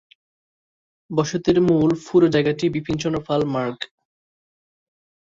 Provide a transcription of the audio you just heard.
বসতির মূল পুরো জায়গাটি বিপিন চন্দ্র পাল মার্গ।